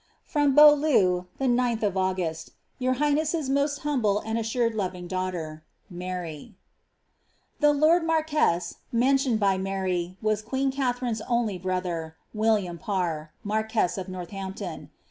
Prom Beaulieu, the 9th of August, Your highness*s most humble and assured loving daughter, " MAaTi/' The lord marquess, mentioned by Mary, was queen Katharine's only brother, William Parr, marquess of Northampton.